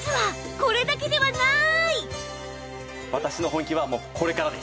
実は私の本気はこれからです。